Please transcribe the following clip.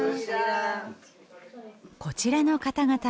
こちらの方々